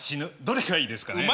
どれがいいですかね？